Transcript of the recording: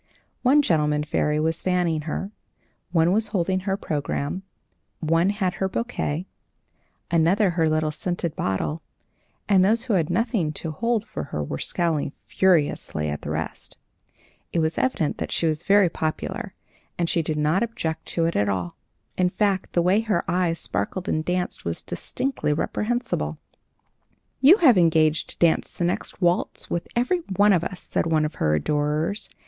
One gentleman fairy was fanning her, one was holding her programme, one had her bouquet, another her little scent bottle, and those who had nothing to hold for her were scowling furiously at the rest. It was evident that she was very popular, and that she did not object to it at all; in fact, the way her eyes sparkled and danced was distinctly reprehensible. [Illustration: ALMOST IMMEDIATELY THEY FOUND THEMSELVES IN A BEAUTIFUL LITTLE DELL.] "You have engaged to dance the next waltz with every one of us!" said one of her adorers.